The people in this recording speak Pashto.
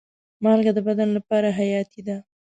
مالګه د بدن لپاره حیاتي ده.